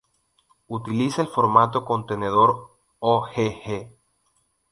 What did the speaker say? Utiliza el formato contenedor Ogg.